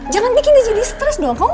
jangan bikin dia jadi stres dong